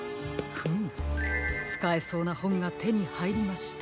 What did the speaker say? フムつかえそうなほんがてにはいりました。